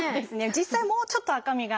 実際はもうちょっと赤みが。